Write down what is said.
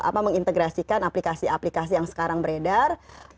kita berusaha meng integrasikan aplikasi aplikasi yang sekarang beredar